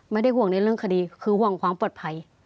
ไม่ได้ห่วงในเรื่องคดีคือห่วงความปลอดภัย